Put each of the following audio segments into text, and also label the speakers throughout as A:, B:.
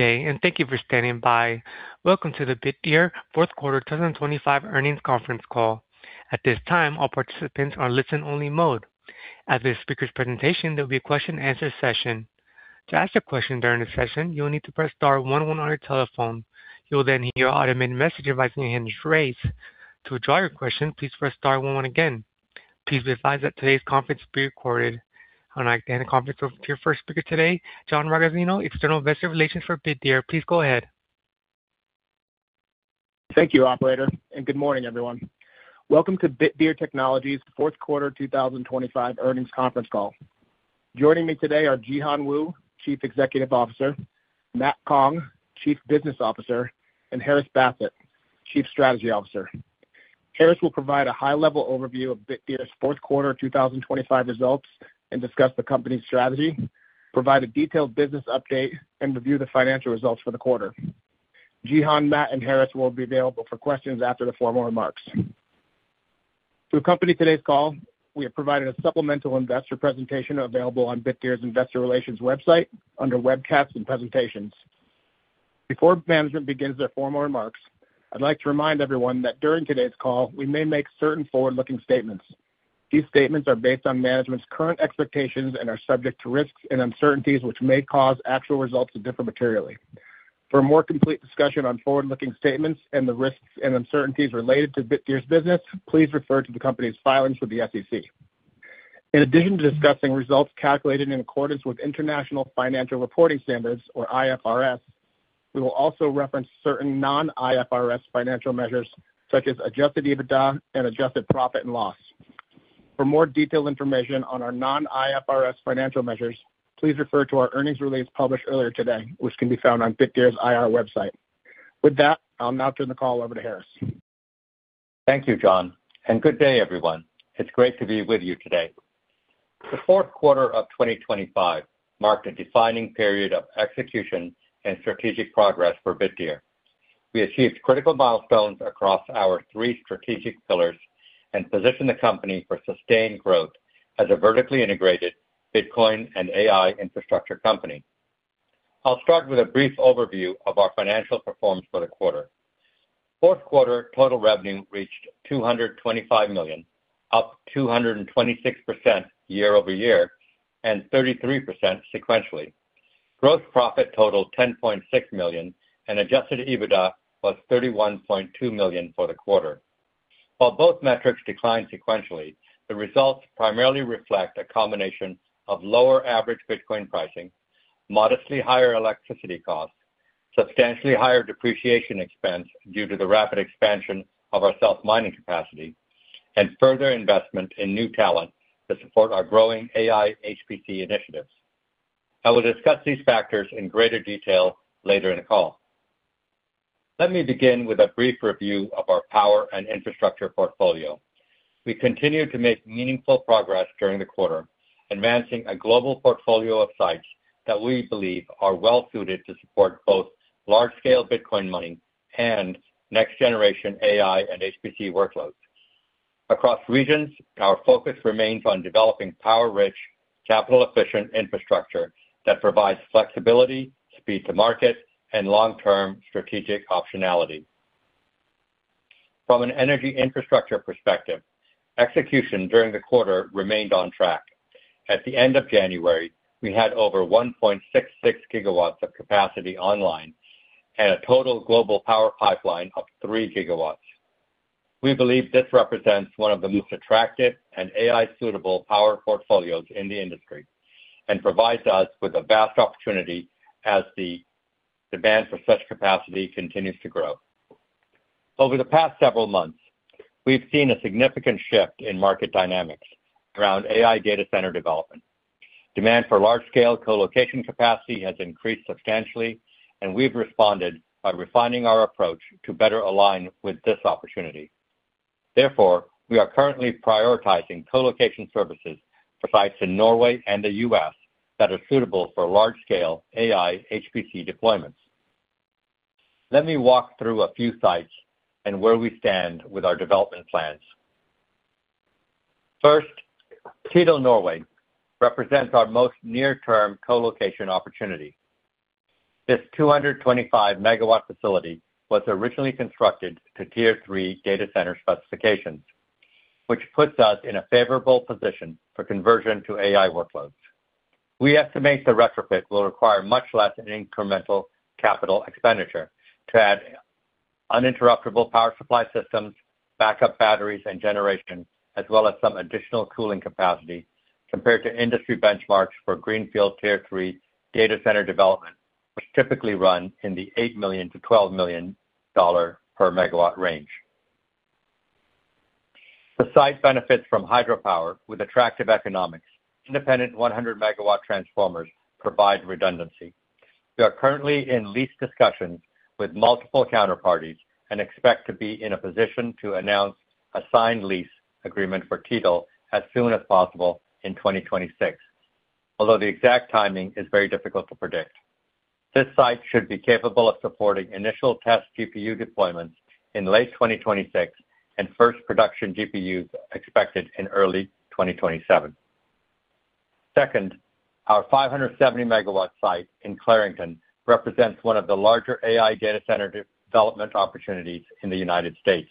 A: Good day, and thank you for standing by. Welcome to the Bitdeer fourth quarter 2025 earnings conference call. At this time, all participants are in listen-only mode. After the speaker's presentation, there'll be a question and answer session. To ask a question during the session, you will need to press star one one on your telephone. You'll then hear an automated message advising you your hand is raised. To withdraw your question, please press star one one again. Please be advised that today's conference will be recorded. I would like to hand the conference over to your first speaker today, John Ragozzino, External Investor Relations for Bitdeer. Please go ahead.
B: Thank you, operator, and good morning, everyone. Welcome to Bitdeer Technologies' fourth quarter 2025 earnings conference call. Joining me today are Jihan Wu, Chief Executive Officer; Matt Kong, Chief Business Officer; and Haris Basit, Chief Strategy Officer. Haris will provide a high-level overview of Bitdeer's fourth quarter 2025 results and discuss the company's strategy, provide a detailed business update, and review the financial results for the quarter. Jihan, Matt, and Haris will be available for questions after the formal remarks. To accompany today's call, we have provided a supplemental investor presentation available on Bitdeer's Investor Relations website under Webcasts and Presentations. Before management begins their formal remarks, I'd like to remind everyone that during today's call, we may make certain forward-looking statements. These statements are based on management's current expectations and are subject to risks and uncertainties, which may cause actual results to differ materially. For a more complete discussion on forward-looking statements and the risks and uncertainties related to Bitdeer's business, please refer to the company's filings with the SEC. In addition to discussing results calculated in accordance with International Financial Reporting Standards, or IFRS, we will also reference certain non-IFRS financial measures, such as adjusted EBITDA and adjusted profit and loss. For more detailed information on our non-IFRS financial measures, please refer to our earnings release published earlier today, which can be found on Bitdeer's IR website. With that, I'll now turn the call over to Haris.
C: Thank you, John, and good day, everyone. It's great to be with you today. The fourth quarter of 2025 marked a defining period of execution and strategic progress for Bitdeer. We achieved critical milestones across our three strategic pillars and positioned the company for sustained growth as a vertically integrated Bitcoin and AI infrastructure company. I'll start with a brief overview of our financial performance for the quarter. Fourth quarter total revenue reached $225 million, up 226% year over year and 33% sequentially. Gross profit totaled $10.6 million, and Adjusted EBITDA was $31.2 million for the quarter. While both metrics declined sequentially, the results primarily reflect a combination of lower average Bitcoin pricing, modestly higher electricity costs, substantially higher depreciation expense due to the rapid expansion of our self-mining capacity, and further investment in new talent to support our growing AI HPC initiatives. I will discuss these factors in greater detail later in the call. Let me begin with a brief review of our power and infrastructure portfolio. We continued to make meaningful progress during the quarter, advancing a global portfolio of sites that we believe are well suited to support both large-scale Bitcoin mining and next-generation AI and HPC workloads. Across regions, our focus remains on developing power-rich, capital-efficient infrastructure that provides flexibility, speed to market, and long-term strategic optionality. From an energy infrastructure perspective, execution during the quarter remained on track. At the end of January, we had over 1.66 GW of capacity online and a total global power pipeline of 3 GW. We believe this represents one of the most attractive and AI-suitable power portfolios in the industry and provides us with a vast opportunity as the demand for such capacity continues to grow. Over the past several months, we've seen a significant shift in market dynamics around AI data center development. Demand for large-scale colocation capacity has increased substantially, and we've responded by refining our approach to better align with this opportunity. Therefore, we are currently prioritizing colocation services for sites in Norway and the U.S. that are suitable for large-scale AI HPC deployments. Let me walk through a few sites and where we stand with our development plans. First, Tydal, Norway, represents our most near-term colocation opportunity. This 225 MW facility was originally constructed to Tier 3 data center specifications, which puts us in a favorable position for conversion to AI workloads. We estimate the retrofit will require much less an incremental capital expenditure to add uninterruptible power supply systems, backup batteries, and generation, as well as some additional cooling capacity compared to industry benchmarks for greenfield Tier 3 data center development, which typically run in the $8 million-$12 million per MW range. The site benefits from hydropower with attractive economics. Independent 100 MW transformers provide redundancy. We are currently in lease discussions with multiple counterparties and expect to be in a position to announce a signed lease agreement for Tydal as soon as possible in 2026, although the exact timing is very difficult to predict. This site should be capable of supporting initial test GPU deployments in late 2026 and first production GPUs expected in early 2027. Second, our 570-megawatt site in Clarington represents one of the larger AI data center development opportunities in the United States.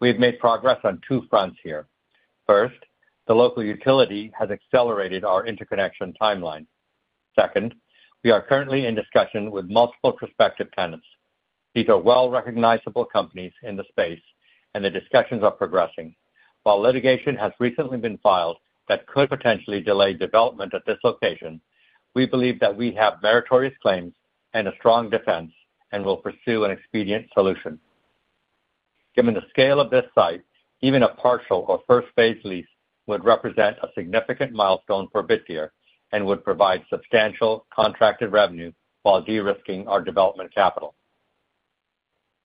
C: We have made progress on two fronts here. First, the local utility has accelerated our interconnection timeline. Second, we are currently in discussion with multiple prospective tenants. These are well recognizable companies in the space, and the discussions are progressing. While litigation has recently been filed that could potentially delay development at this location, we believe that we have meritorious claims and a strong defense and will pursue an expedient solution. Given the scale of this site, even a partial or first-phase lease would represent a significant milestone for Bitdeer and would provide substantial contracted revenue while de-risking our development capital.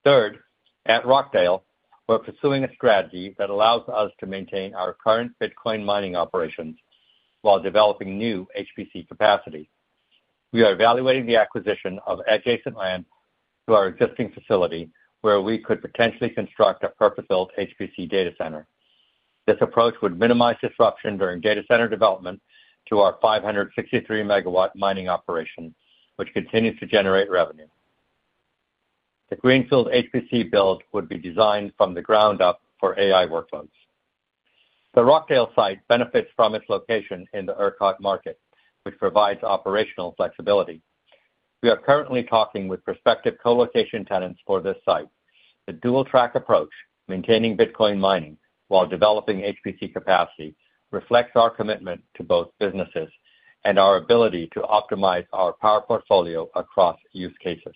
C: Third, at Rockdale, we're pursuing a strategy that allows us to maintain our current Bitcoin mining operations while developing new HPC capacity. We are evaluating the acquisition of adjacent land to our existing facility, where we could potentially construct a purpose-built HPC data center. This approach would minimize disruption during data center development to our 563 megawatt mining operation, which continues to generate revenue. The Greenfield HPC build would be designed from the ground up for AI workloads. The Rockdale site benefits from its location in the ERCOT market, which provides operational flexibility. We are currently talking with prospective co-location tenants for this site. The dual-track approach, maintaining Bitcoin mining while developing HPC capacity, reflects our commitment to both businesses and our ability to optimize our power portfolio across use cases.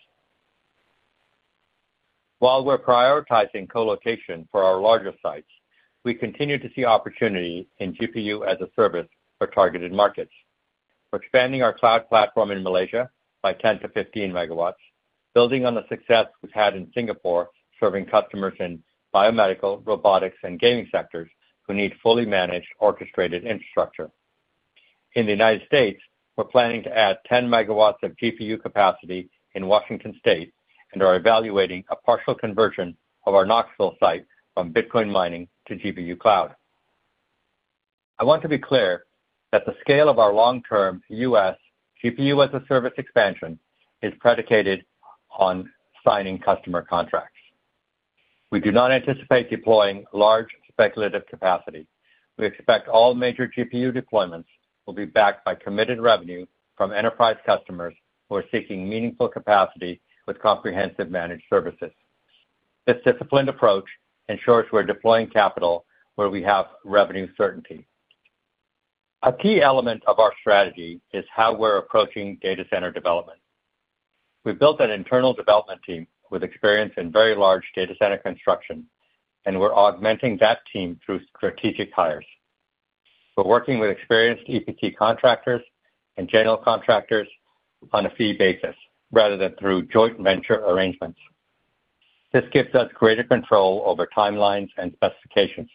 C: While we're prioritizing colocation for our larger sites, we continue to see opportunity in GPU-as-a-Service for targeted markets. We're expanding our cloud platform in Malaysia by 10-15 MW, building on the success we've had in Singapore, serving customers in biomedical, robotics, and gaming sectors who need fully managed, orchestrated infrastructure. In the United States, we're planning to add 10 MW of GPU capacity in Washington State and are evaluating a partial conversion of our Knoxville site from Bitcoin mining to GPU cloud. I want to be clear that the scale of our long-term U.S. GPU-as-a-Service expansion is predicated on signing customer contracts. We do not anticipate deploying large speculative capacity. We expect all major GPU deployments will be backed by committed revenue from enterprise customers who are seeking meaningful capacity with comprehensive managed services. This disciplined approach ensures we're deploying capital where we have revenue certainty. A key element of our strategy is how we're approaching data center development. We built an internal development team with experience in very large data center construction, and we're augmenting that team through strategic hires. We're working with experienced EPC contractors and general contractors on a fee basis rather than through joint venture arrangements. This gives us greater control over timelines and specifications,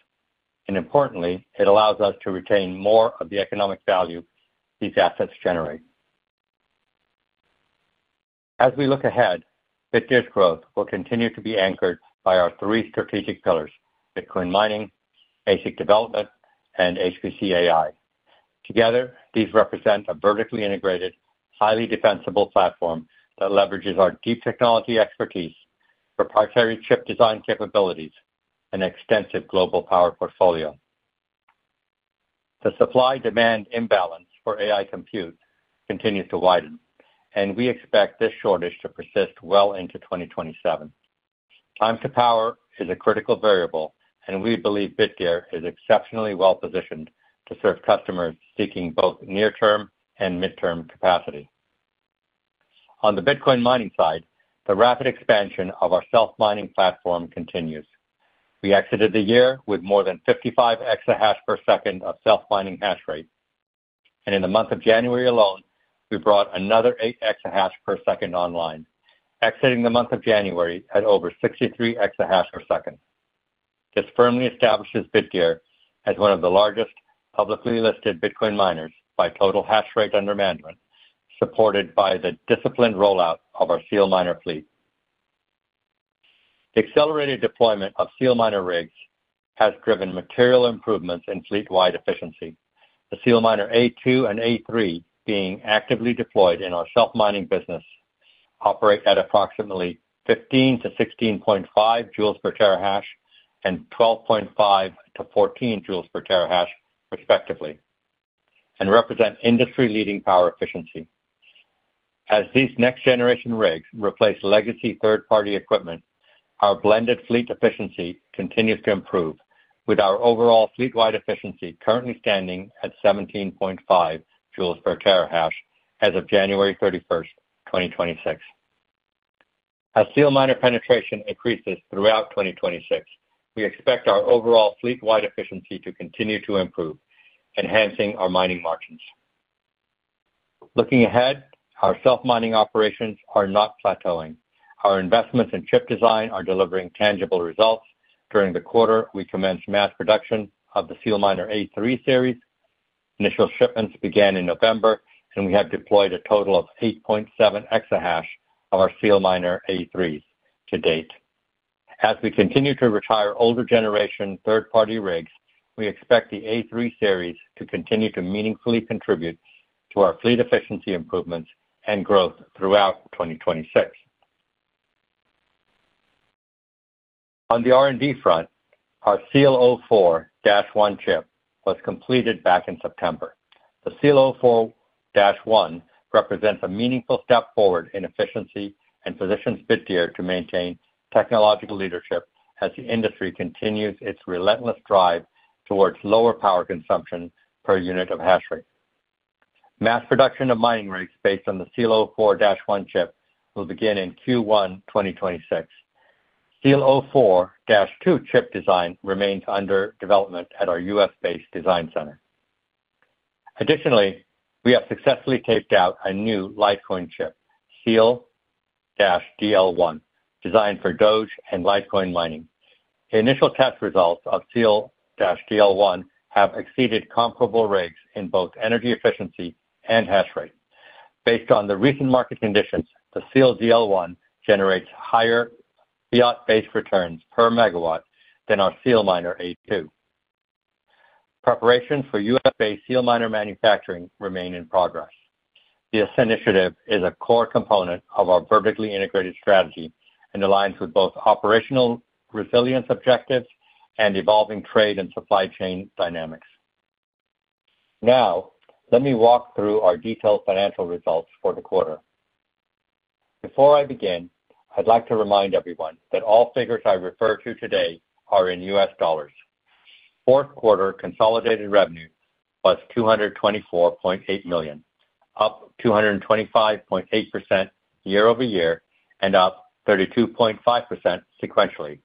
C: and importantly, it allows us to retain more of the economic value these assets generate. As we look ahead, Bitdeer's growth will continue to be anchored by our three strategic pillars: Bitcoin mining, ASIC development, and HPC AI. Together, these represent a vertically integrated, highly defensible platform that leverages our deep technology expertise, proprietary chip design capabilities, and extensive global power portfolio. The supply-demand imbalance for AI compute continues to widen, and we expect this shortage to persist well into 2027. Time to power is a critical variable, and we believe Bitdeer is exceptionally well-positioned to serve customers seeking both near-term and midterm capacity. On the Bitcoin mining side, the rapid expansion of our self-mining platform continues. We exited the year with more than 55 exahash per second of self-mining hash rate, and in the month of January alone, we brought another 8 exahash per second online, exiting the month of January at over 63 exahash per second. This firmly establishes Bitdeer as one of the largest publicly listed Bitcoin miners by total hash rate under management, supported by the disciplined rollout of our SEALMINER fleet. The accelerated deployment of SEALMINER rigs has driven material improvements in fleet-wide efficiency. The SEALMINER A2 and A3, being actively deployed in our self-mining business, operate at approximately 15-16.5 joules per terahash and 12.5-14 joules per terahash, respectively, and represent industry-leading power efficiency. As these next-generation rigs replace legacy third-party equipment, our blended fleet efficiency continues to improve, with our overall fleet-wide efficiency currently standing at 17.5 joules per terahash as of January 31, 2026. As SEALMINER penetration increases throughout 2026, we expect our overall fleet-wide efficiency to continue to improve, enhancing our mining margins. Looking ahead, our self-mining operations are not plateauing. Our investments in chip design are delivering tangible results. During the quarter, we commenced mass production of the SEALMINER A3 series. Initial shipments began in November, and we have deployed a total of 8.7 EH/s of our SEALMINER A3s to date. As we continue to retire older generation third-party rigs, we expect the A3 series to continue to meaningfully contribute to our fleet efficiency improvements and growth throughout 2026. On the R&D front, our SEAL04-1 chip was completed back in September. The SEAL04-1 represents a meaningful step forward in efficiency and positions Bitdeer to maintain technological leadership as the industry continues its relentless drive towards lower power consumption per unit of hash rate. Mass production of mining rigs based on the SEAL04-1 chip will begin in Q1 2026. SEAL04-2 chip design remains under development at our U.S.-based design center. Additionally, we have successfully taped out a new Litecoin chip, SEAL-DL1, designed for Doge and Litecoin mining. The initial test results of SEAL-DL1 have exceeded comparable rigs in both energy efficiency and hash rate. Based on the recent market conditions, the SEAL-DL1 generates higher fiat-based returns per megawatt than our SEALMINER A2. Preparation for U.S.-based SEALMINER manufacturing remain in progress. This initiative is a core component of our vertically integrated strategy and aligns with both operational resilience objectives and evolving trade and supply chain dynamics. Now, let me walk through our detailed financial results for the quarter. Before I begin, I'd like to remind everyone that all figures I refer to today are in U.S. dollars. Fourth quarter consolidated revenue was $224.8 million, up 225.8% year-over-year, and up 32.5% sequentially.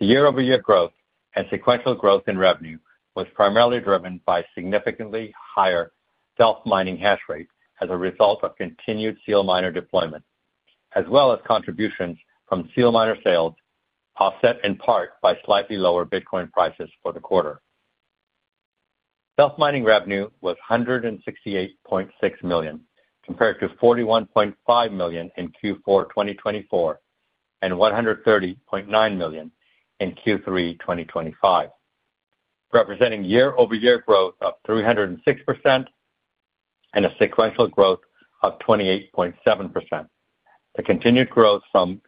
C: The year-over-year growth and sequential growth in revenue was primarily driven by significantly higher self-mining hash rate as a result of continued SEALMINER deployment, as well as contributions from SEALMINER sales, offset in part by slightly lower Bitcoin prices for the quarter. Self-mining revenue was $168.6 million, compared to $41.5 million in Q4 2024, and $130.9 million in Q3 2025, representing year-over-year growth of 306% and a sequential growth of 28.7%. The continued growth from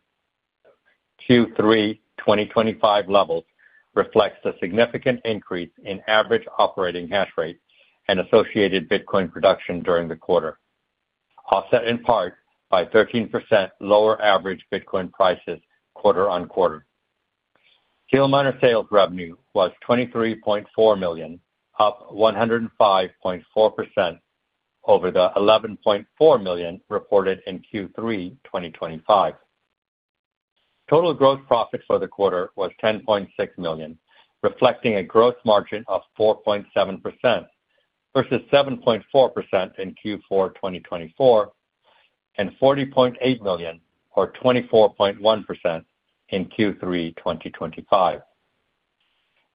C: Q3 2025 levels reflects the significant increase in average operating hash rate and associated Bitcoin production during the quarter, offset in part by 13% lower average Bitcoin prices quarter on quarter. SEALMINER sales revenue was $23.4 million, up 105.4% over the $11.4 million reported in Q3 2025. Total gross profits for the quarter was $10.6 million, reflecting a gross margin of 4.7% versus 7.4% in Q4 2024, and $40.8 million, or 24.1% in Q3 2025.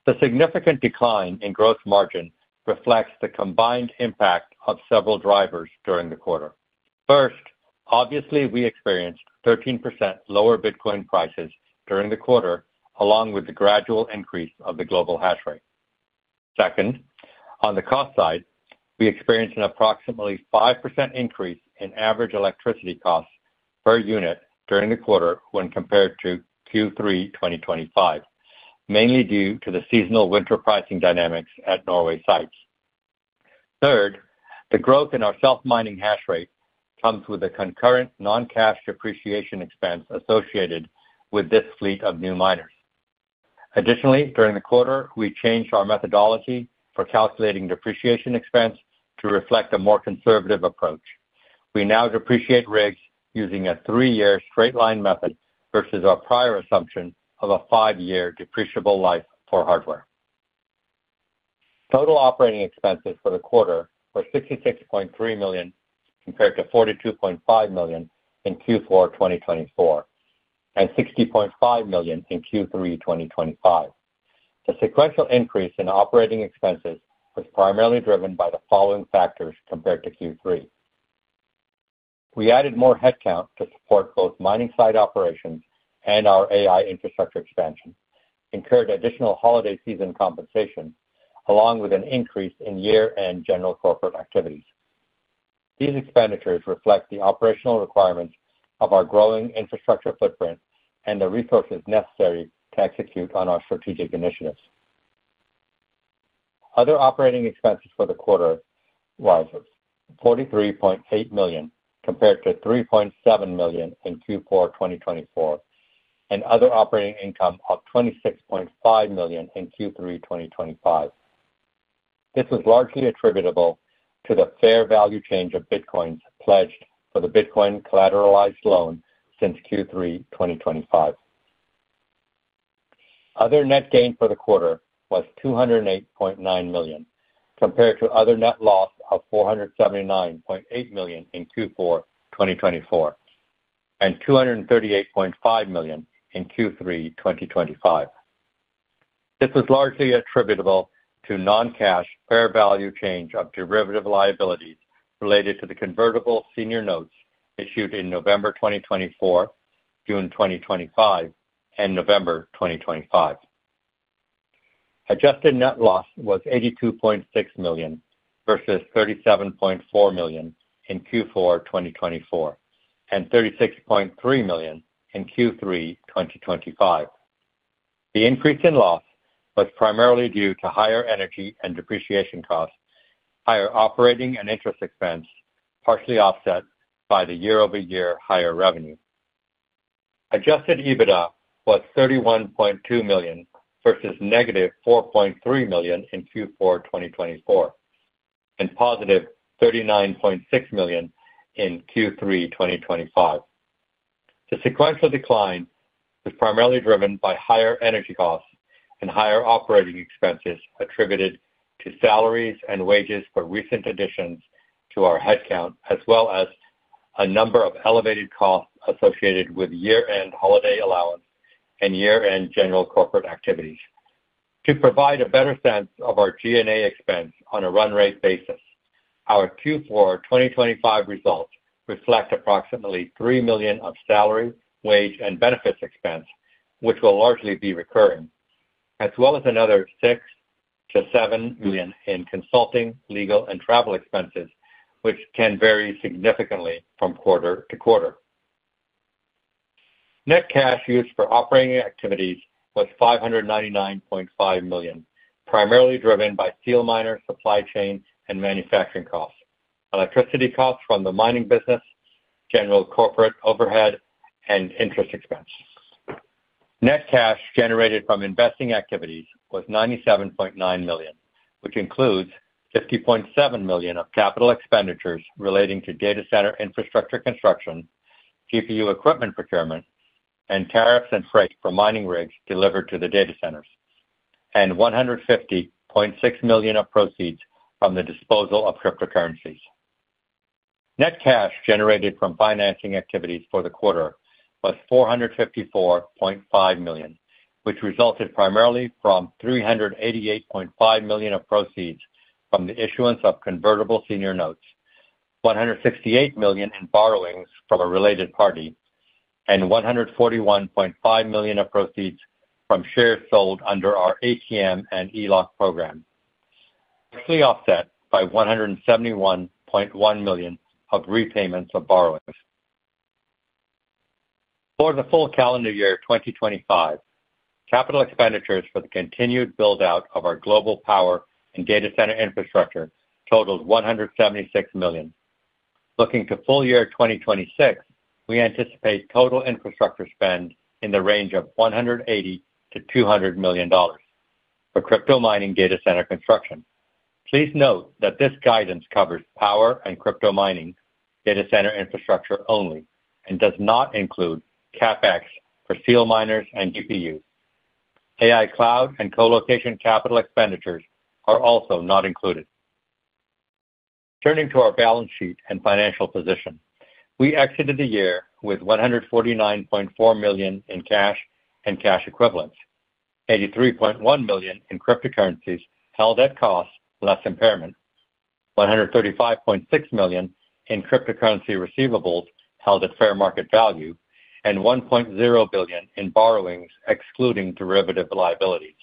C: The significant decline in gross margin reflects the combined impact of several drivers during the quarter. First, obviously, we experienced 13% lower Bitcoin prices during the quarter, along with the gradual increase of the global hash rate. Second, on the cost side, we experienced an approximately 5% increase in average electricity costs per unit during the quarter when compared to Q3 2025, mainly due to the seasonal winter pricing dynamics at Norway sites. Third, the growth in our self-mining hash rate comes with a concurrent non-cash depreciation expense associated with this fleet of new miners. Additionally, during the quarter, we changed our methodology for calculating depreciation expense to reflect a more conservative approach. We now depreciate rigs using a 3-year straight line method versus our prior assumption of a 5-year depreciable life for hardware. Total operating expenses for the quarter were $66.3 million, compared to $42.5 million in Q4 2024, and $60.5 million in Q3 2025. The sequential increase in operating expenses was primarily driven by the following factors compared to Q3. We added more headcount to support both mining site operations and our AI infrastructure expansion, incurred additional holiday season compensation, along with an increase in year-end general corporate activities. These expenditures reflect the operational requirements of our growing infrastructure footprint and the resources necessary to execute on our strategic initiatives. Other operating expenses for the quarter was $43.8 million, compared to $3.7 million in Q4 2024, and other operating income of $26.5 million in Q3 2025. This is largely attributable to the fair value change of Bitcoins pledged for the Bitcoin collateralized loan since Q3 2025. Other net gain for the quarter was $208.9 million, compared to other net loss of $479.8 million in Q4 2024, and $238.5 million in Q3 2025. This was largely attributable to non-cash fair value change of derivative liabilities related to the convertible senior notes issued in November 2024, June 2025, and November 2025. Adjusted net loss was $82.6 million versus $37.4 million in Q4 2024, and $36.3 million in Q3 2025. The increase in loss was primarily due to higher energy and depreciation costs, higher operating and interest expense, partially offset by the year-over-year higher revenue. Adjusted EBITDA was $31.2 million versus -$4.3 million in Q4 2024, and positive $39.6 million in Q3 2025. The sequential decline was primarily driven by higher energy costs and higher operating expenses attributed to salaries and wages for recent additions to our headcount, as well as a number of elevated costs associated with year-end holiday allowance and year-end general corporate activities. To provide a better sense of our G&A expense on a run rate basis, our Q4 2025 results reflect approximately $3 million of salary, wage, and benefits expense, which will largely be recurring, as well as another $6 million-$7 million in consulting, legal, and travel expenses, which can vary significantly from quarter to quarter. Net cash used for operating activities was $599.5 million, primarily driven by SEALMINER, supply chain, and manufacturing costs, electricity costs from the mining business, general corporate overhead, and interest expense. Net cash generated from investing activities was $97.9 million, which includes $50.7 million of capital expenditures relating to data center infrastructure construction, GPU equipment procurement, and tariffs and freight for mining rigs delivered to the data centers, and $150.6 million of proceeds from the disposal of cryptocurrencies. Net cash generated from financing activities for the quarter was $454.5 million, which resulted primarily from $388.5 million of proceeds from the issuance of Convertible Senior Notes, $168 million in borrowings from a related party, and $141.5 million of proceeds from shares sold under our ATM and ELOC program, partially offset by $171.1 million of repayments of borrowings. For the full calendar year 2025, capital expenditures for the continued build-out of our global power and data center infrastructure totaled $176 million. Looking to full year 2026, we anticipate total infrastructure spend in the range of $180 million-$200 million for crypto mining data center construction. Please note that this guidance covers power and crypto mining data center infrastructure only, and does not include CapEx for SEALMINERS and GPUs. AI Cloud and colocation capital expenditures are also not included. Turning to our balance sheet and financial position, we exited the year with $149.4 million in cash and cash equivalents, $83.1 million in cryptocurrencies held at cost less impairment, $135.6 million in cryptocurrency receivables held at fair market value, and $1.0 billion in borrowings, excluding derivative liabilities.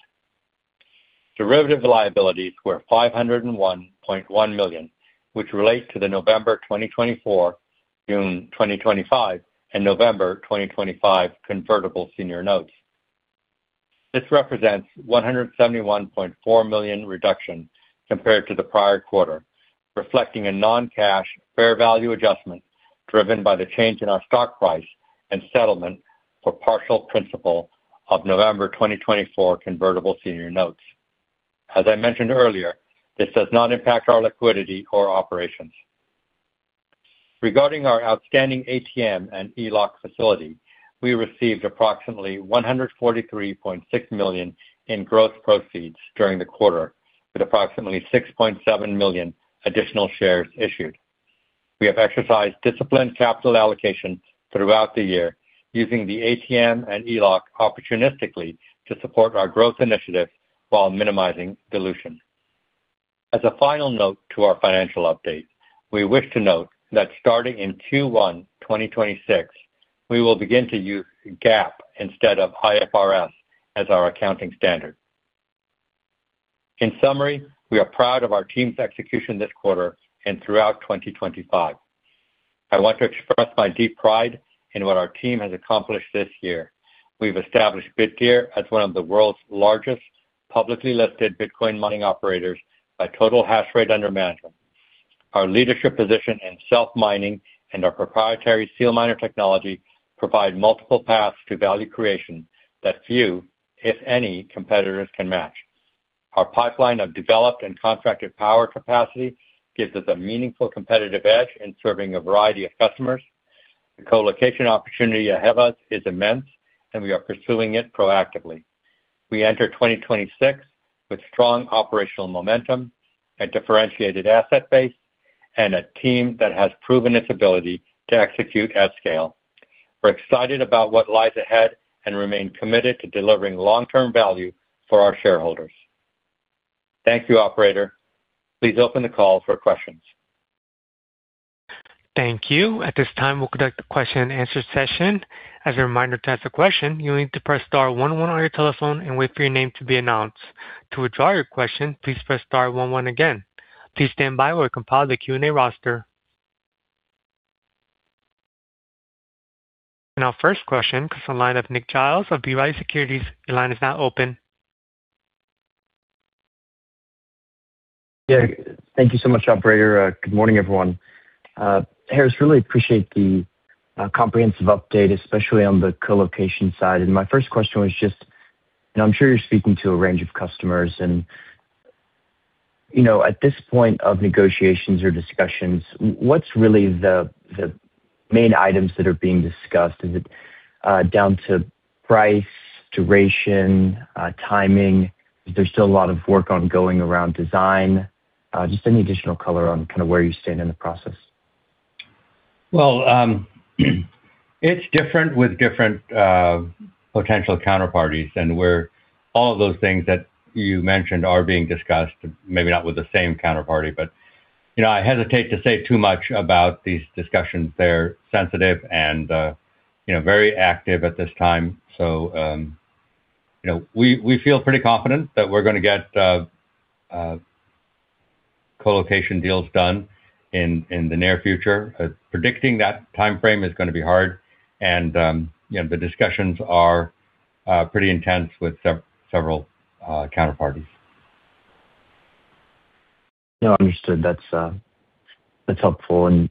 C: Derivative liabilities were $501.1 million, which relate to the November 2024, June 2025, and November 2025 Convertible Senior Notes. This represents $171.4 million reduction compared to the prior quarter, reflecting a non-cash fair value adjustment driven by the change in our stock price and settlement for partial principal of November 2024 Convertible Senior Notes. As I mentioned earlier, this does not impact our liquidity or operations. Regarding our outstanding ATM and ELOC facility, we received approximately $143.6 million in gross proceeds during the quarter, with approximately 6.7 million additional shares issued. We have exercised disciplined capital allocation throughout the year, using the ATM and ELOC opportunistically to support our growth initiatives while minimizing dilution. As a final note to our financial update, we wish to note that starting in Q1 2026, we will begin to use GAAP instead of IFRS as our accounting standard. In summary, we are proud of our team's execution this quarter and throughout 2025. I want to express my deep pride in what our team has accomplished this year. We've established Bitdeer as one of the world's largest publicly listed Bitcoin mining operators by total hash rate under management. Our leadership position in self-mining and our proprietary SEALMINER technology provide multiple paths to value creation that few, if any, competitors can match. Our pipeline of developed and contracted power capacity gives us a meaningful competitive edge in serving a variety of customers. The colocation opportunity ahead of us is immense, and we are pursuing it proactively. We enter 2026 with strong operational momentum, a differentiated asset base, and a team that has proven its ability to execute at scale.... We're excited about what lies ahead, and remain committed to delivering long-term value for our shareholders. Thank you, operator. Please open the call for questions.
A: Thank you. At this time, we'll conduct a question-and-answer session. As a reminder, to ask a question, you'll need to press star one on your telephone and wait for your name to be announced. To withdraw your question, please press star one one again. Please stand by while we compile the Q&A roster. Our first question comes on the line of Nick Giles of B. Riley Securities. Your line is now open.
D: Yeah, thank you so much, operator. Good morning, everyone. Haris, really appreciate the comprehensive update, especially on the colocation side. My first question was just, and I'm sure you're speaking to a range of customers and, you know, at this point of negotiations or discussions, what's really the main items that are being discussed? Is it down to price, duration, timing? Is there still a lot of work ongoing around design? Just any additional color on kind of where you stand in the process.
C: Well, it's different with different potential counterparties, and where all of those things that you mentioned are being discussed, maybe not with the same counterparty, but, you know, I hesitate to say too much about these discussions. They're sensitive and, you know, very active at this time. So, you know, we feel pretty confident that we're gonna get colocation deals done in the near future. Predicting that timeframe is gonna be hard, and, you know, the discussions are pretty intense with several counterparties.
D: No, understood. That's, that's helpful. And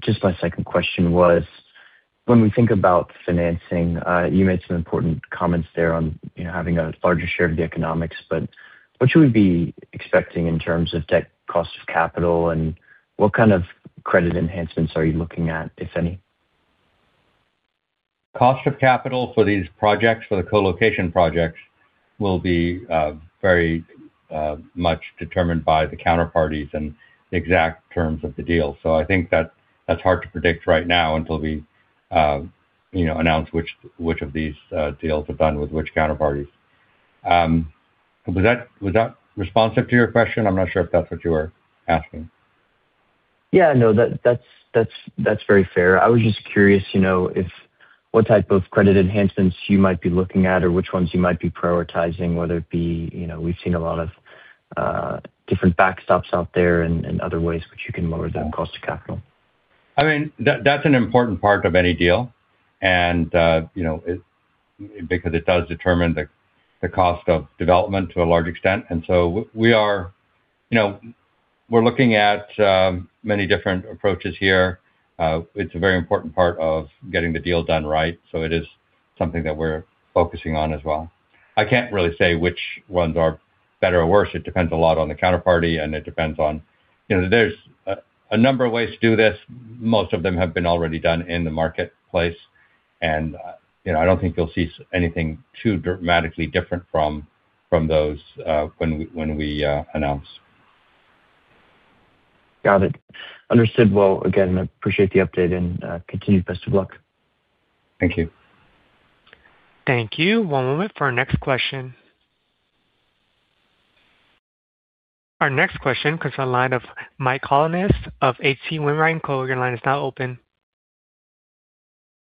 D: just my second question was, when we think about financing, you made some important comments there on, you know, having a larger share of the economics, but what should we be expecting in terms of debt, cost of capital, and what kind of credit enhancements are you looking at, if any?
C: Cost of capital for these projects, for the colocation projects, will be very much determined by the counterparties and the exact terms of the deal. So I think that's hard to predict right now until we you know announce which of these deals are done with which counterparties. Was that responsive to your question? I'm not sure if that's what you were asking.
D: Yeah, no, that's very fair. I was just curious, you know, if what type of credit enhancements you might be looking at, or which ones you might be prioritizing, whether it be, you know, we've seen a lot of different backstops out there and other ways which you can lower down cost of capital.
C: I mean, that's an important part of any deal, and you know, it, because it does determine the cost of development to a large extent. So we are, you know, we're looking at many different approaches here. It's a very important part of getting the deal done right, so it is something that we're focusing on as well. I can't really say which ones are better or worse. It depends a lot on the counterparty, and it depends on... You know, there's a number of ways to do this. Most of them have been already done in the marketplace, and you know, I don't think you'll see anything too dramatically different from those when we announce.
D: Got it. Understood. Well, again, I appreciate the update, and continued best of luck.
C: Thank you.
A: Thank you. One moment for our next question. Our next question comes to the line of Mike Colonnese of H.C. Wainwright. Your line is now open.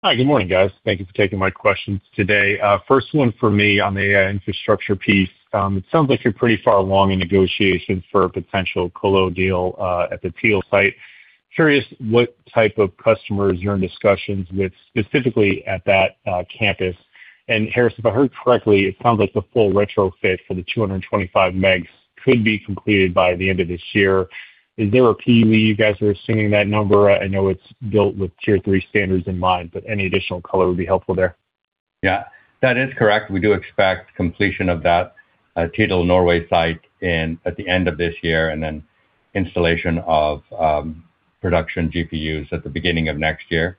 E: Hi. Good morning, guys. Thank you for taking my questions today. First one for me on the infrastructure piece. It sounds like you're pretty far along in negotiations for a potential colo deal at the Tydal site. Curious what type of customers you're in discussions with, specifically at that campus. And Haris, if I heard correctly, it sounds like the full retrofit for the 225 megs could be completed by the end of this year. Is there a PUE you guys are seeing that number? I know it's built with Tier 3 standards in mind, but any additional color would be helpful there.
C: Yeah, that is correct. We do expect completion of that, Tydal, Norway site in at the end of this year, and then installation of production GPUs at the beginning of next year.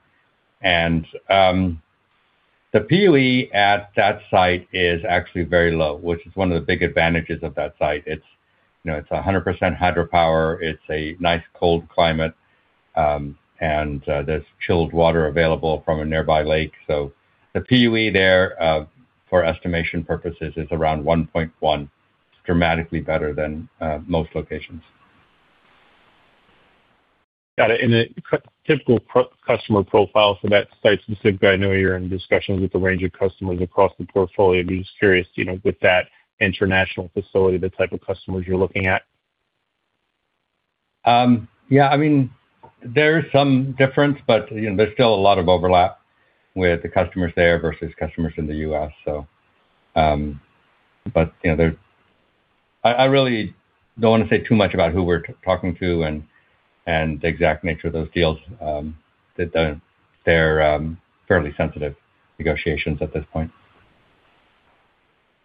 C: And the PUE at that site is actually very low, which is one of the big advantages of that site. It's, you know, it's 100% hydropower, it's a nice, cold climate, and there's chilled water available from a nearby lake. So the PUE there, for estimation purposes, is around 1.1. It's dramatically better than most locations.
E: Got it. And the typical pro-customer profile for that site specifically, I know you're in discussions with a range of customers across the portfolio. I'm just curious, you know, with that international facility, the type of customers you're looking at?
C: Yeah, I mean, there's some difference, but, you know, there's still a lot of overlap with the customers there versus customers in the US, so... But, you know, I really don't want to say too much about who we're talking to and the exact nature of those deals. That, they're fairly sensitive negotiations at this point.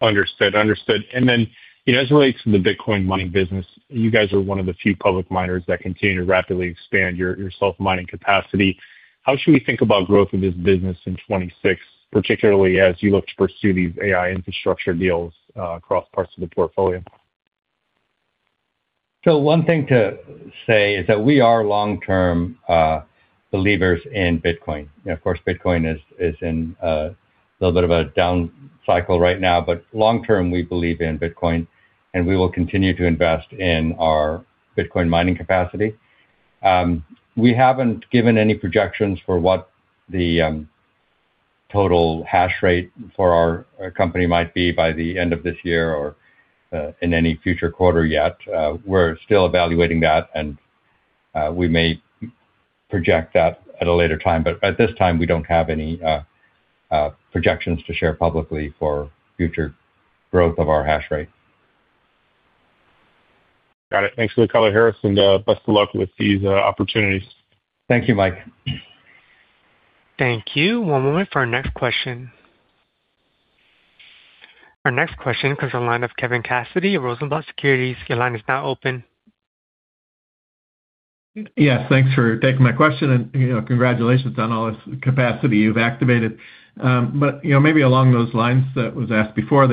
E: Understood. Understood. And then, you know, as it relates to the Bitcoin mining business, you guys are one of the few public miners that continue to rapidly expand your, your self-mining capacity. How should we think about growth in this business in 2026, particularly as you look to pursue these AI infrastructure deals across parts of the portfolio?...
C: So one thing to say is that we are long-term believers in Bitcoin. And of course, Bitcoin is in a little bit of a down cycle right now, but long term, we believe in Bitcoin, and we will continue to invest in our Bitcoin mining capacity. We haven't given any projections for what the total hash rate for our company might be by the end of this year or in any future quarter yet. We're still evaluating that, and we may project that at a later time, but at this time, we don't have any projections to share publicly for future growth of our hash rate.
E: Got it. Thanks a lot, Haris, and best of luck with these opportunities.
C: Thank you, Mike.
A: Thank you. One moment for our next question. Our next question comes on the line of Kevin Cassidy, Rosenblatt Securities. Your line is now open.
F: Yes, thanks for taking my question, and, you know, congratulations on all this capacity you've activated. But, you know, maybe along those lines that was asked before,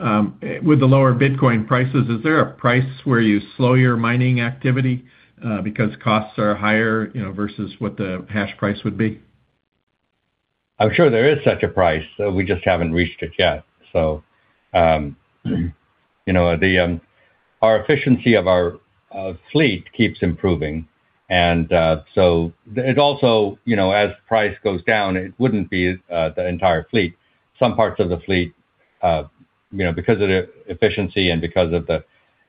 F: with the lower Bitcoin prices, is there a price where you slow your mining activity, because costs are higher, you know, versus what the hash price would be?
C: I'm sure there is such a price. We just haven't reached it yet. So, you know, our efficiency of our fleet keeps improving, and so it also, you know, as price goes down, it wouldn't be the entire fleet. Some parts of the fleet, you know, because of the efficiency and because of the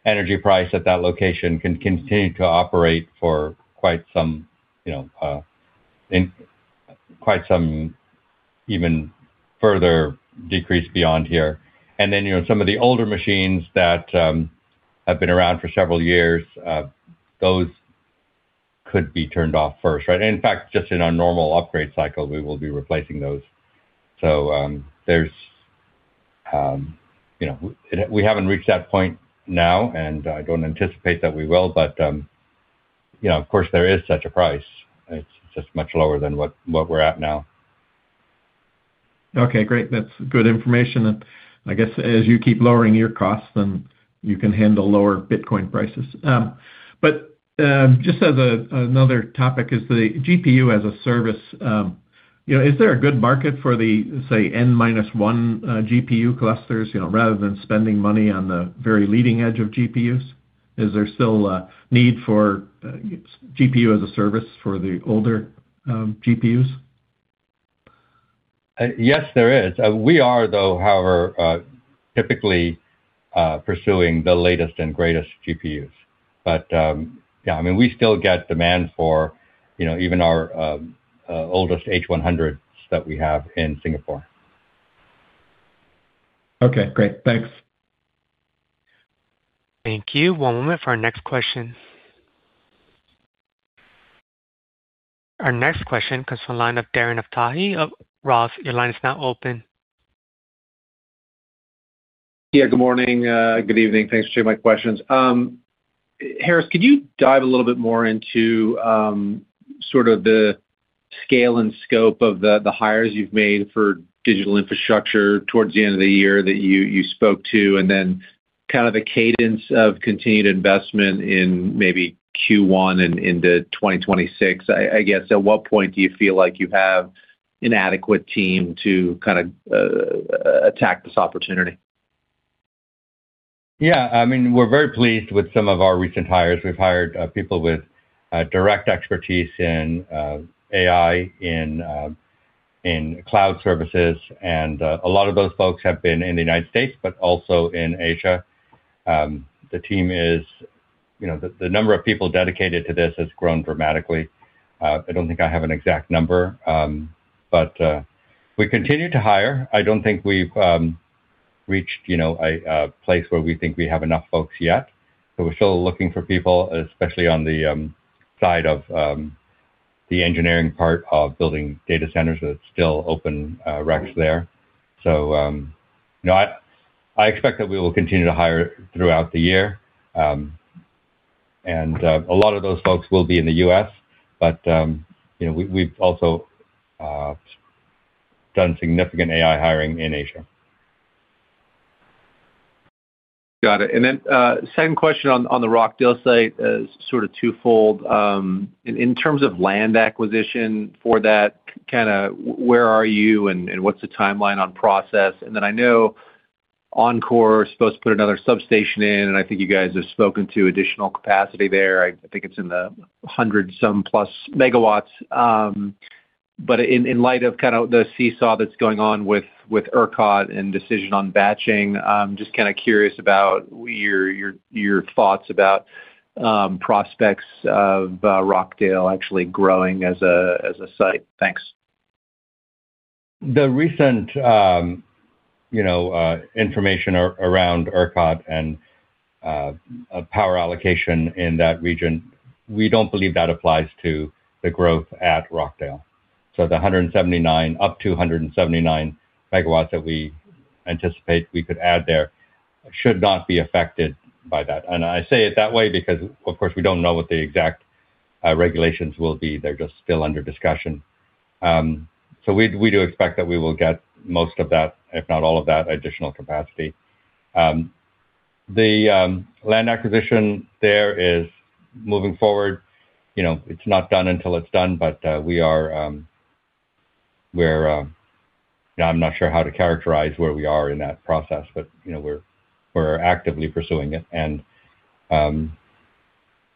C: energy price at that location, can continue to operate for quite some, you know, in quite some even further decrease beyond here. And then, you know, some of the older machines that have been around for several years, those could be turned off first, right? In fact, just in our normal upgrade cycle, we will be replacing those. So, there's, you know... We haven't reached that point now, and I don't anticipate that we will, but, you know, of course, there is such a price. It's just much lower than what, what we're at now.
F: Okay, great. That's good information, and I guess as you keep lowering your costs, then you can handle lower Bitcoin prices. But just as another topic, is the GPU as a service, you know, is there a good market for the, say, N minus one GPU clusters, you know, rather than spending money on the very leading edge of GPUs? Is there still a need for GPU as a service for the older GPUs?
C: Yes, there is. We are, though, however, typically pursuing the latest and greatest GPUs. But, yeah, I mean, we still get demand for, you know, even our oldest H100s that we have in Singapore.
F: Okay, great. Thanks.
A: Thank you. One moment for our next question. Our next question comes from the line of Darren Aftahi of Roth. Your line is now open.
G: Yeah, good morning, good evening. Thanks for taking my questions. Haris, could you dive a little bit more into sort of the scale and scope of the hires you've made for digital infrastructure towards the end of the year that you spoke to, and then kind of the cadence of continued investment in maybe Q1 and into 2026? I guess, at what point do you feel like you have an adequate team to kind of attack this opportunity?
C: Yeah. I mean, we're very pleased with some of our recent hires. We've hired people with direct expertise in AI, in cloud services, and a lot of those folks have been in the United States, but also in Asia. The team is, you know, the number of people dedicated to this has grown dramatically. I don't think I have an exact number, but we continue to hire. I don't think we've reached, you know, a place where we think we have enough folks yet, so we're still looking for people, especially on the side of the engineering part of building data centers. That's still open recs there. So, you know, I expect that we will continue to hire throughout the year. And a lot of those folks will be in the U.S., but you know, we've also done significant AI hiring in Asia.
G: Got it. And then second question on the Rockdale site is sort of twofold. In terms of land acquisition for that, kind of where are you and what's the timeline on process? And then I know Oncor is supposed to put another substation in, and I think you guys have spoken to additional capacity there. I think it's in the 100-some-plus megawatts. But in light of kind of the seesaw that's going on with ERCOT and decision on batching, I'm just kind of curious about your thoughts about prospects of Rockdale actually growing as a site. Thanks.
C: The recent information around ERCOT and power allocation in that region, we don't believe that applies to the growth at Rockdale. So the 179, up to 179 MW that we anticipate we could add there should not be affected by that. And I say it that way because, of course, we don't know what the exact regulations will be. They're just still under discussion. So we do expect that we will get most of that, if not all of that, additional capacity. The land acquisition there is moving forward. You know, it's not done until it's done, but we are, we're... I'm not sure how to characterize where we are in that process, but, you know, we're actively pursuing it, and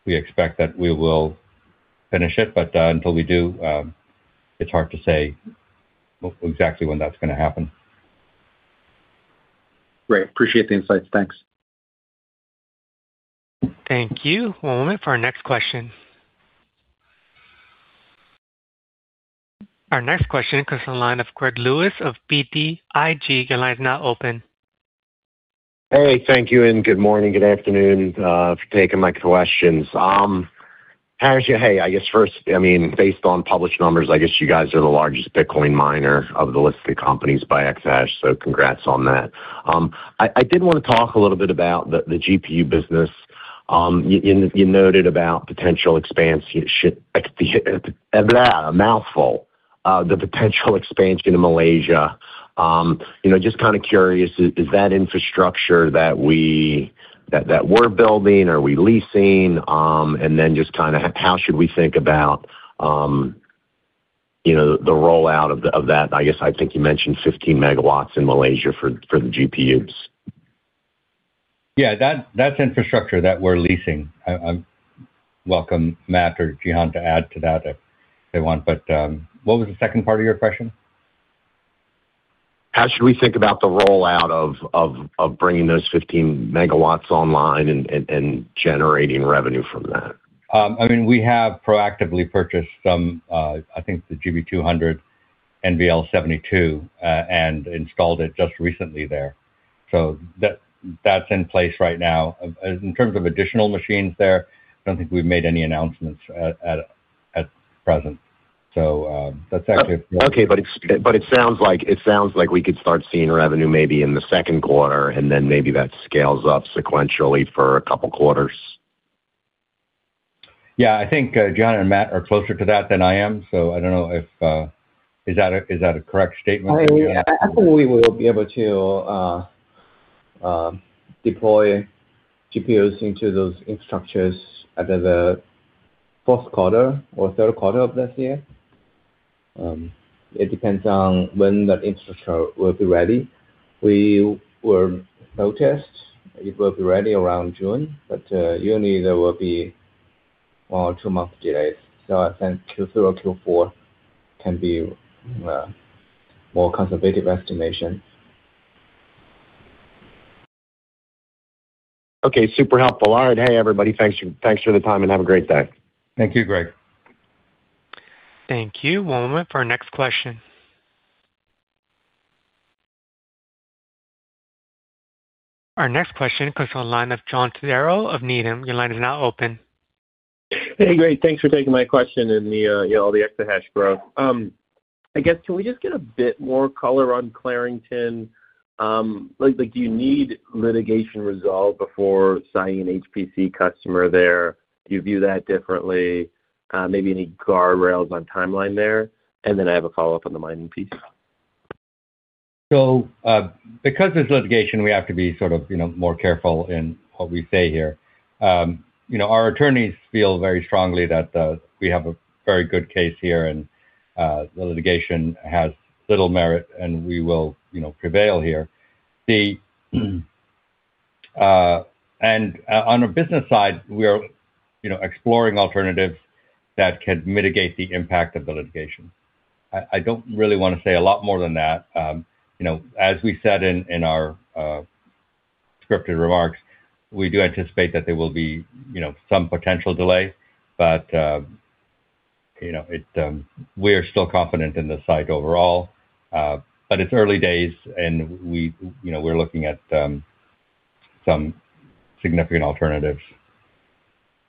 C: we expect that we will finish it, but until we do, it's hard to say exactly when that's gonna happen.
G: Great. Appreciate the insights. Thanks.
A: Thank you. One moment for our next question. Our next question comes from the line of Greg Lewis of BTIG. Your line is now open.
H: Hey, thank you, and good morning, good afternoon, for taking my questions. Haris, hey, I guess first, I mean, based on published numbers, I guess you guys are the largest Bitcoin miner of the listed companies by exahash, so congrats on that. I did wanna talk a little bit about the GPU business. You noted about potential expansion in Malaysia. You know, just kind of curious, is that infrastructure that we're building, are we leasing? And then just kind of how should we think about, you know, the rollout of that? I guess, I think you mentioned 15 MW in Malaysia for the GPUs.
C: Yeah, that's infrastructure that we're leasing. I welcome Matt or Jihan to add to that if they want. But, what was the second part of your question?
H: How should we think about the rollout of bringing those 15 MW online and generating revenue from that?
C: I mean, we have proactively purchased some, I think the GB200 NVL72, and installed it just recently there, so that's in place right now. In terms of additional machines there, I don't think we've made any announcements at present, so that's accurate.
H: Okay, but it sounds like we could start seeing revenue maybe in the second quarter, and then maybe that scales up sequentially for a couple quarters.
C: Yeah, I think Jihan and Matt are closer to that than I am, so I don't know if that is a correct statement?
I: I think we will be able to deploy GPUs into those infrastructures under the fourth quarter or third quarter of this year. It depends on when the infrastructure will be ready. We were notified it will be ready around June, but usually there will be one or two months delays, so I think Q3 or Q4 can be more conservative estimation.
H: Okay, super helpful. All right. Hey, everybody, thanks for, thanks for the time, and have a great day.
C: Thank you, Greg.
A: Thank you. One moment for our next question. Our next question comes on the line of John Todaro of Needham. Your line is now open.
J: Hey, great. Thanks for taking my question and the, you know, all the extra hash growth. I guess, can we just get a bit more color on Clarington? Like, do you need litigation resolved before signing an HPC customer there? Do you view that differently? Maybe any guardrails on timeline there? And then I have a follow-up on the mining piece.
C: So, because this is litigation, we have to be sort of, you know, more careful in what we say here. You know, our attorneys feel very strongly that we have a very good case here, and the litigation has little merit, and we will, you know, prevail here. And on a business side, we are, you know, exploring alternatives that can mitigate the impact of the litigation. I don't really want to say a lot more than that. You know, as we said in our scripted remarks, we do anticipate that there will be, you know, some potential delay, but you know, we're still confident in the site overall. But it's early days, and we, you know, we're looking at some significant alternatives.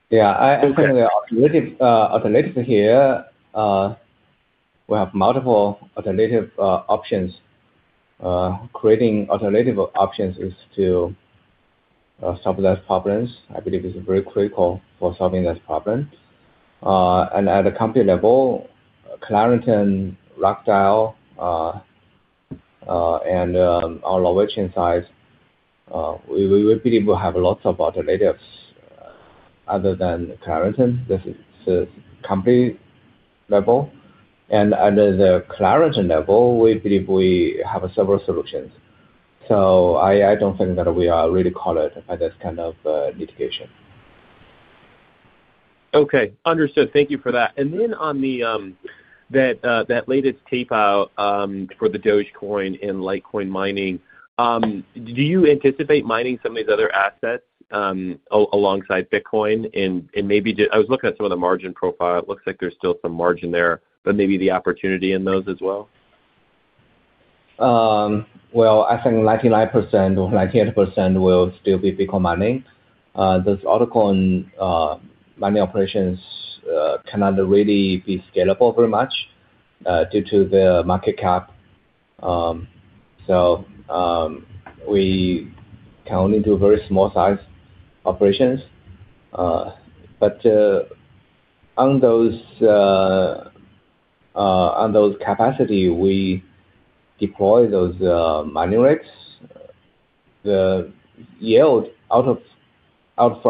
I: Yeah, I think the alternative, alternative here, we have multiple alternative, options. Creating alternative options is to, solve those problems. I believe it's very critical for solving this problem. And at a company level, Clarington, Rockdale, and, on the chain size, we, we believe we have lots of alternatives other than Clarington. This is the company level, and under the Clarington level, we believe we have several solutions. So I, I don't think that we are really covered by this kind of, litigation.
J: Okay, understood. Thank you for that. And then on the, that latest tape out, for the Dogecoin and Litecoin mining, do you anticipate mining some of these other assets, alongside Bitcoin? And, maybe just... I was looking at some of the margin profile. It looks like there's still some margin there, but maybe the opportunity in those as well.
I: Well, I think 99% or 98% will still be Bitcoin mining. Those other coin mining operations cannot really be scalable very much due to the market cap. So, we can only do very small size operations. But on those capacity, we deploy those minerigs. The yield out of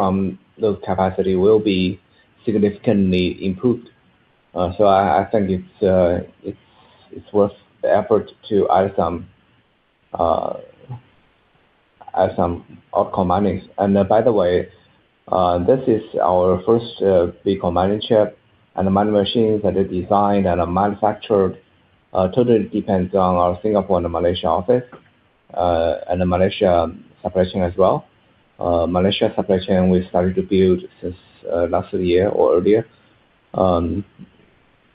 I: those capacity will be significantly improved. So I think it's worth the effort to add some altcoin minings. And by the way, this is our first big mining chip, and the mining machines that are designed and are manufactured totally depends on our Singapore and the Malaysia office, and the Malaysia supply chain as well. Malaysia supply chain, we started to build since last year or earlier.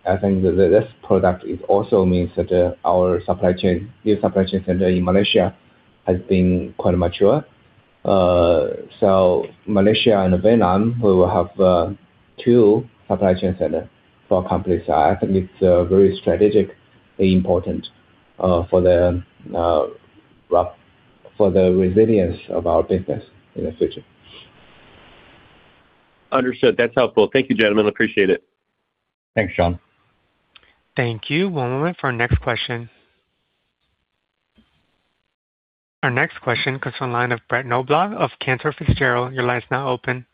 I: I think that this product is also means that our supply chain new supply chain center in Malaysia has been quite mature. So Malaysia and Vietnam, we will have two supply chain center for our company side. I think it's very strategically important for the resilience of our business in the future.
J: Understood. That's helpful. Thank you, gentlemen. Appreciate it.
I: Thanks, John.
A: Thank you. One moment for our next question. Our next question comes from line of Brett Knoblauch of Cantor Fitzgerald. Your line is now open.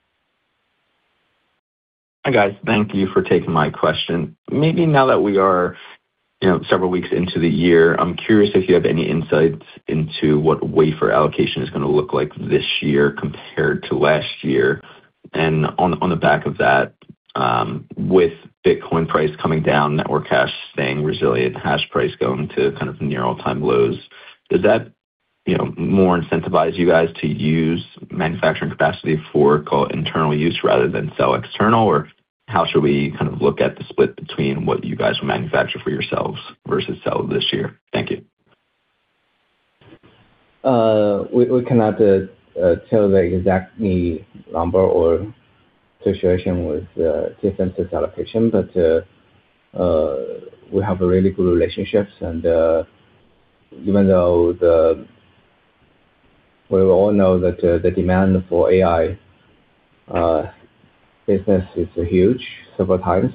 K: Hi, guys. Thank you for taking my question. Maybe now that we are, you know, several weeks into the year, I'm curious if you have any insights into what wafer allocation is gonna look like this year compared to last year? And on the back of that, with Bitcoin price coming down, network hash staying resilient, hash price going to kind of near all-time lows, does that, you know, more incentivize you guys to use manufacturing capacity for, call it, internal use rather than sell external? Or how should we kind of look at the split between what you guys manufacture for yourselves versus sell this year? Thank you.
I: We cannot tell the exact number or situation with TSMC allocation, but we have really good relationships. And even though the... We all know that the demand for AI business is huge, several times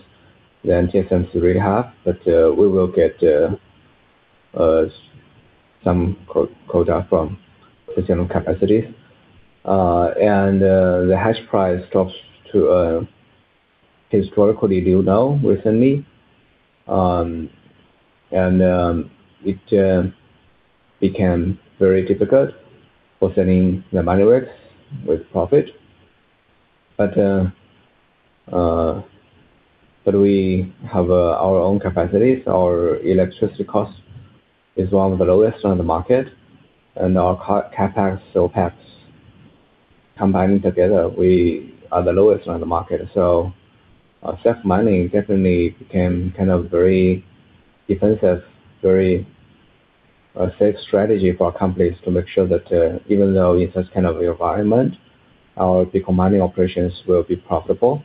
I: than TSMC really have, but we will get some CoWoS quota from the general capacity. And the hash price drops to historically low now recently, and it became very difficult for selling the mine rigs with profit. But we have our own capacities. Our electricity cost is one of the lowest on the market, and our CapEx, OpEx, combining together, we are the lowest on the market. So, self mining definitely became kind of very defensive, very, safe strategy for our companies to make sure that, even though it's this kind of environment, our Bitcoin mining operations will be profitable.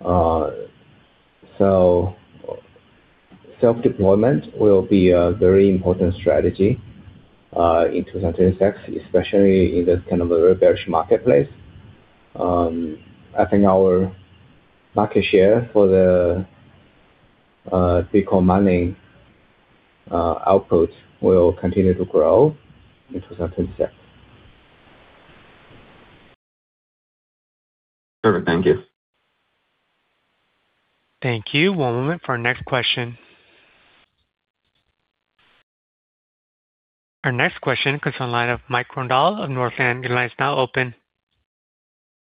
I: So self deployment will be a very important strategy, in 2023, especially in this kind of a very bearish marketplace. I think our market share for the, Bitcoin mining, output will continue to grow into 2023.
K: Perfect. Thank you.
A: Thank you. One moment for our next question. Our next question comes on the line of Mike Grondahl of Northland. Your line is now open.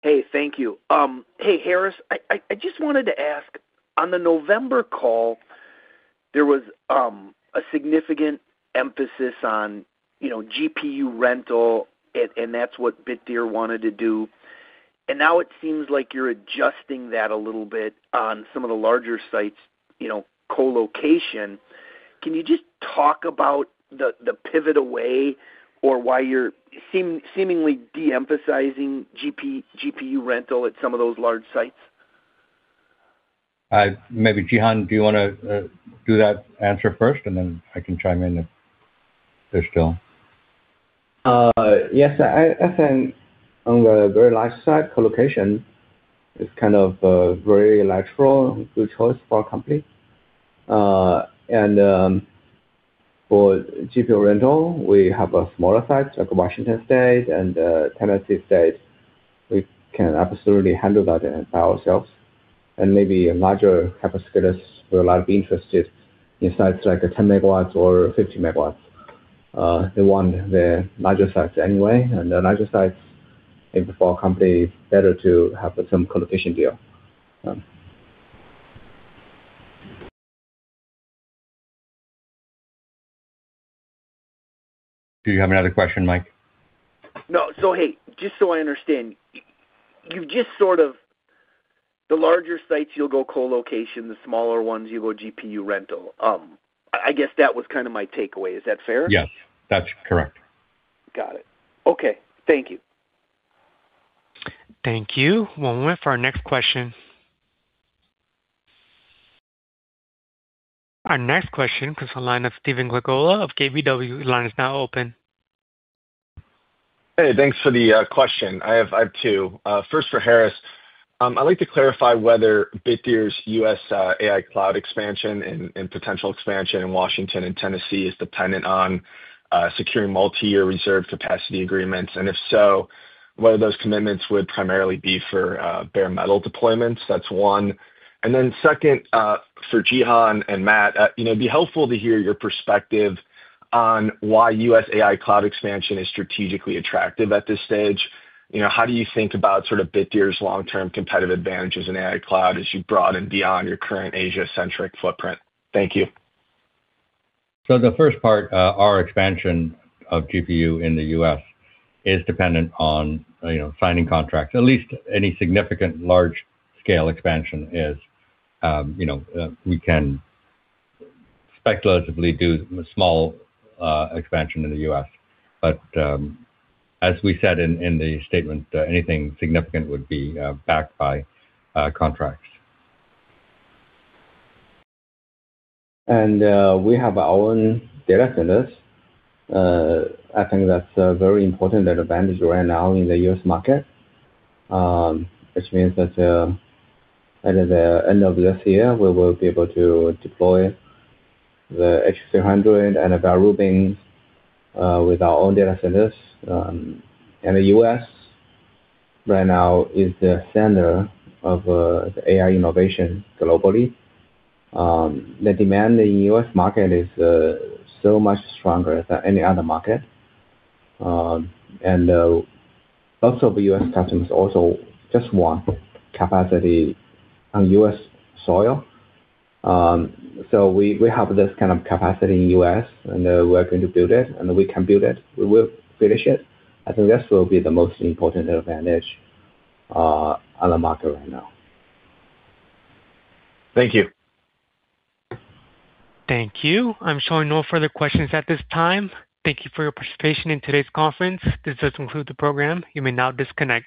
L: Hey, thank you. Hey, Haris, I just wanted to ask, on the November call, there was a significant emphasis on, you know, GPU rental and that's what Bitdeer wanted to do. And now it seems like you're adjusting that a little bit on some of the larger sites, you know, colocation. Can you just talk about the pivot away or why you're seemingly de-emphasizing GPU rental at some of those large sites?
C: Maybe, Jihan, do you wanna do that answer first, and then I can chime in if there's still?
I: Yes, I think on the very large side, colocation is kind of very natural, good choice for our company. And for GPU rental, we have smaller sites like Washington State and Tennessee. We can absolutely handle that by ourselves. And maybe larger hyperscalers will not be interested in sites like 10 MW or 50 MW. They want the larger sites anyway, and the larger sites, I think for our company, it's better to have some colocation deal. Do you have another question, Mike?
L: No. So, hey, just so I understand, you just sort of... the larger sites, you'll go colocation, the smaller ones, you go GPU rental. I guess that was kind of my takeaway. Is that fair?
I: Yes, that's correct.
L: Got it. Okay. Thank you.
A: Thank you. We'll move to our next question. Our next question comes from the line of Steven Glagola of KBW. Your line is now open.
M: Hey, thanks for the question. I have two. First for Haris. I'd like to clarify whether Bitdeer's U.S. AI cloud expansion and potential expansion in Washington and Tennessee is dependent on securing multi-year reserve capacity agreements. And if so, whether those commitments would primarily be for bare metal deployments. That's one. And then second, for Jihan and Matt, you know, it'd be helpful to hear your perspective on why U.S. AI cloud expansion is strategically attractive at this stage. You know, how do you think about sort of Bitdeer's long-term competitive advantages in AI cloud as you broaden beyond your current Asia-centric footprint? Thank you.
C: The first part, our expansion of GPU in the U.S. is dependent on, you know, signing contracts. At least any significant large-scale expansion is, you know, we can speculatively do small, expansion in the U.S. But, as we said in the statement, anything significant would be, backed by, contracts.
I: We have our own data centers. I think that's a very important advantage right now in the U.S. market, which means that at the end of this year, we will be able to deploy the X300 and about routing with our own data centers. And the U.S. right now is the center of the AI innovation globally. The demand in the U.S. market is so much stronger than any other market. And also, the U.S. customers also just want capacity on U.S. soil. So we have this kind of capacity in U.S., and we're going to build it, and we can build it. We will finish it. I think this will be the most important advantage on the market right now.
M: Thank you.
A: Thank you. I'm showing no further questions at this time. Thank you for your participation in today's conference. This does conclude the program. You may now disconnect.